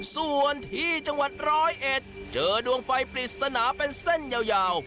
ส่วนที่จังหวัดร้อยเอ็ดเจอดวงไฟปริศนาเป็นเส้นยาว